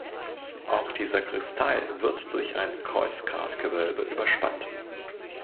Auch die Sakristei wird durch ein Kreuzgratgewölbe überspannt.